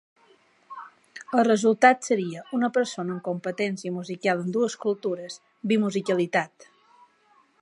El resultat seria una persona amb competència musical en dues cultures: "bimusicalitat".